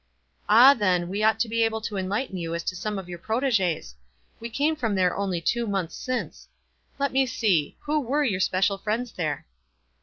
"Ah, then, we ought to be able to enlighten you as to some of your proteges. We came from there only two months since. Let me see. Who icere your special friends there?"